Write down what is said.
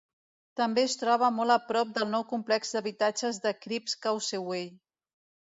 També es troba molt a prop del nou complex d'habitatges de Cribbs Causeway.